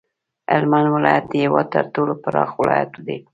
هلمند ولایت د هیواد تر ټولو پراخ ولایت دی